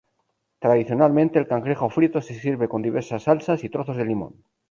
Tradicionalmente el cangrejo frito se sirve con diversas salsas y trozos de limón.